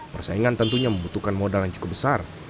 persaingan tentunya membutuhkan modal yang cukup besar